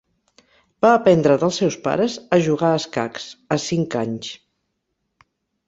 Va aprendre dels seus pares a jugar a escacs, a cinc anys.